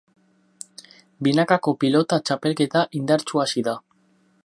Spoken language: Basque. Binakako pilota txapelketa indartsu hasi da.